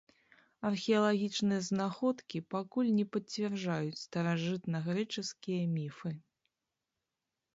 Археалагічныя знаходкі пакуль не пацвярджаюць старажытнагрэчаскія міфы.